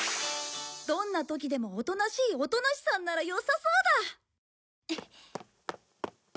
どんな時でもおとなしい乙梨さんならよさそうだ！